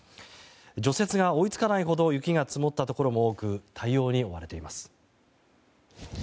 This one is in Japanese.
除雪が追いつかないほど雪が積もったところも多く対応に追われています。